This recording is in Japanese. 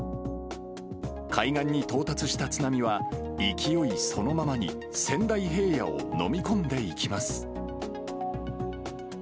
海岸に到達した津波は、勢いそのままに仙台平野を飲み込んでいきます。